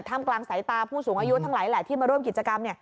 กลางสายตาผู้สูงอายุทั้งหลายแหละที่มาร่วมกิจกรรม